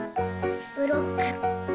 ブロック。